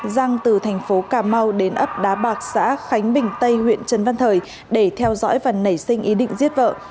giang từ thành phố cà mau đến ấp đá bạc xã khánh bình tây huyện trần văn thời để theo dõi và nảy sinh ý định giết vợ